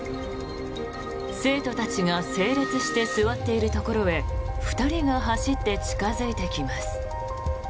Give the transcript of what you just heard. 生徒たちが整列して座っているところへ２人が走って近付いてきます。